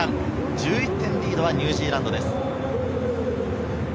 １１点リードはニュージーランドです。